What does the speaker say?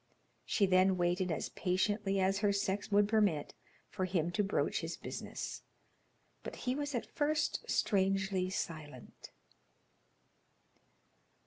She then waited as patiently as her sex would permit, for him to broach his business, but he was at first strangely silent.